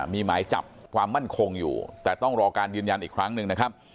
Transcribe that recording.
มีหมายจับความมั่นคงอยู่แต่ต้องรอการยืนยันอีกครั้งหนึ่งนะครับ